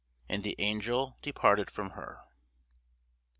And the angel departed from her.